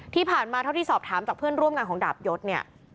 เท่าที่สอบถามจากเพื่อนร่วมงานของดาบยศเนี่ย